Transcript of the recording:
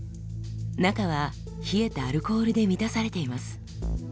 中は冷えたアルコールで満たされています。